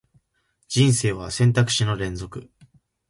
人生は選択肢の連続